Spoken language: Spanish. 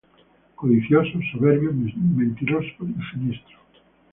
Codicioso, soberbio, mentiroso y siniestro.